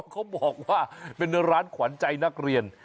เขาบอกว่าเป็นร้านขวัญใจนักเรียน